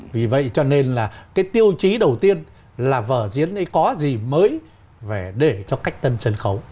vì vậy cho nên là cái tiêu chí đầu tiên là vở diễn ấy có gì mới để cho cách tân sân khấu